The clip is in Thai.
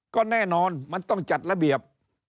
ก็แน่นอนมันต้องจัดระเบียบ